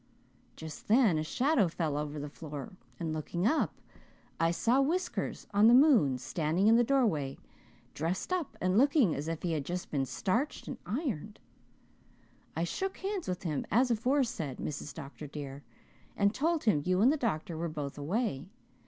"Just then a shadow fell over the floor and looking up I saw Whiskers on the moon, standing in the doorway, dressed up and looking as if he had just been starched and ironed. I shook hands with him, as aforesaid, Mrs. Dr. dear, and told him you and the doctor were both away.